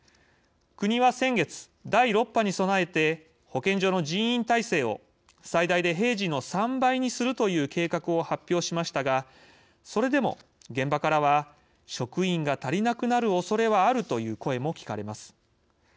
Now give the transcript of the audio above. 国は先月、第６波に備えて保健所の人員体制を最大で平時の３倍にするという計画を発表しましたがそれでも現場からは職員が足りなくなるおそれはあるという声も聞かれます。